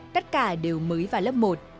tất cả đều mới vào lớp một